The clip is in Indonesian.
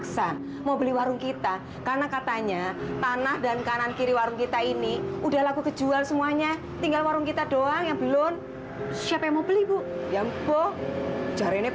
sampai jumpa di video selanjutnya